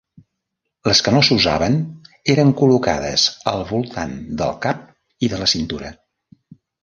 Les que no s'usaven eren col·locades al voltant del cap i de la cintura.